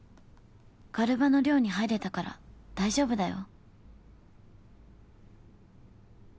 ガルバの寮に入れたから大丈夫だよ」。